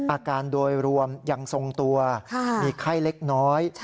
อาการโดยรวมยังทรงตัวมีไข้เล็กน้อย